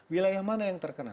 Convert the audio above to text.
wilayah mana yang terkena